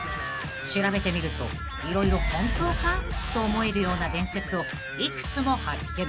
［調べてみると色々本当か？と思えるような伝説を幾つも発見］